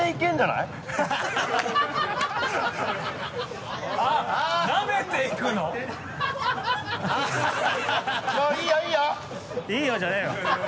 「いいよ」じゃねぇよ。